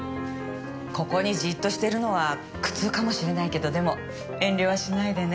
ここにじっとしているのは苦痛かもしれないけどでも遠慮はしないでね。